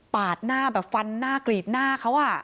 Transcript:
บาดหน้าฟันหน้ากลีดหน้าเขา